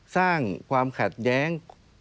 สร้างความขัดแย้ง